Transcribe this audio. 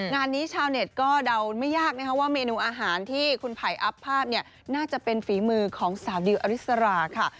งานนี้ชาวเน็ตก็เดาไม่ยากนะคะว่าเมนูอาหารที่คุณไผ่อัพภาพเนี่ยน่าจะเป็นฝีมือของสาวดิวอริสราค่ะ